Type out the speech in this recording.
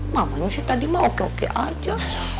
mamanya sih tadi mau oke oke aja